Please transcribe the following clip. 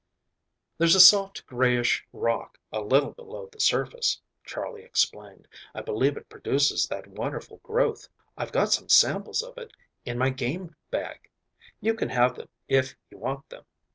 "There's a soft grayish rock a little below the surface," Charley explained. "I believe it produces that wonderful growth. I've got some samples of it in my game bag. You can have them if you want them.